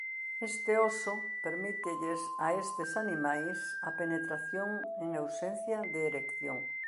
Este óso permítelles a estes animais a penetración en ausencia de erección.